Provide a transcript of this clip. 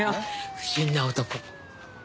不審な男。